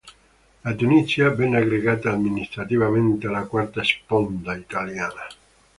La Tunisia venne aggregata amministrativamente alla "Quarta Sponda" italiana.